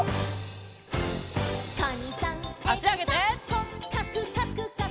「こっかくかくかく」